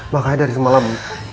makanya dari semalam